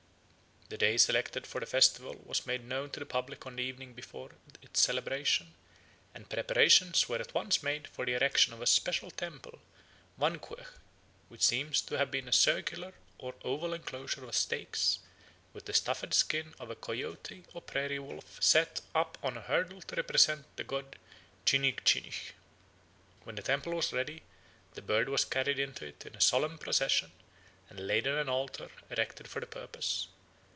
The day selected for the festival was made known to the public on the evening before its celebration and preparations were at once made for the erection of a special temple (vanquech), which seems to have been a circular or oval enclosure of stakes with the stuffed skin of a coyote or prairie wolf set up on a hurdle to represent the god Chinigchinich. When the temple was ready, the bird was carried into it in solemn procession and laid on an altar erected for the purpose.